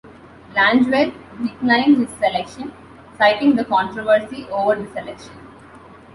Langeveldt declined his selection, citing the controversy over the selection.